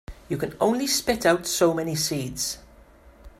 You can only spit out so many seeds.